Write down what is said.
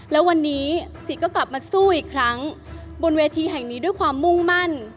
แล้ววันนี้สิทธิ์ก็กลับมาสู้อีกครั้งบนเวทีแห่งนี้ด้วยความมุ่งมั่น